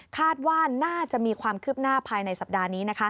คาดว่าน่าจะมีความคืบหน้าภายในสัปดาห์นี้